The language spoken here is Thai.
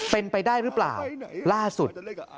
เป็นไปได้หรือเปล่าล่าสุด